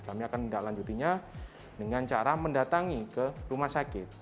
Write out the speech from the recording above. kami akan mendaklanjutinya dengan cara mendatangi ke rumah sakit